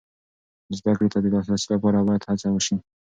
زده کړې ته د لاسرسي لپاره باید هڅه وسي.